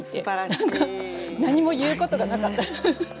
何か何も言うことがなかった。